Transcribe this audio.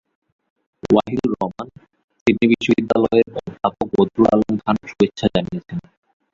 Wahidur Rahman, Sydney বিশ্ববিদ্যালয়ের অধ্যাপক বদরুল আলম খান শুভেচ্ছা জানিয়েছেন।